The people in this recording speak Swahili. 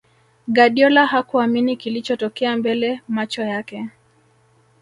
guardiola hakuamini kilichotokea mbele macho yake